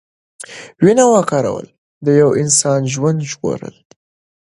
وینه ورکول د یو انسان ژوند ژغورل دي.